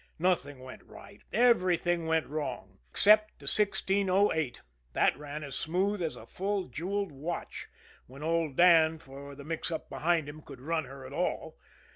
Nothing went right; everything went wrong except the 1608, that ran as smooth as a full jewelled watch, when old Dan, for the mix up behind him, could run her at all.